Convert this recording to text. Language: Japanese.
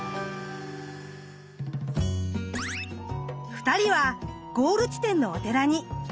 ２人はゴール地点のお寺に。